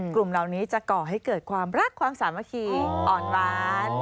กลุ่มเหล่านี้จะก่อให้เกิดความรักความสามัคคีอ่อนหวาน